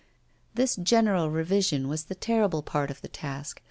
This general revision was the terrible part of the task.